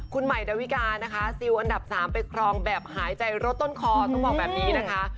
คุณใหม่ดาวิกานะคะซิลอันดับ๓ไปครองแบบหายใจรถต้นคอต้องบอกแบบนี้นะคะ